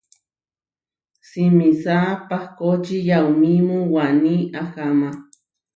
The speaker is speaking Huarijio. Simisá pahkóči yaumímu waní aháma.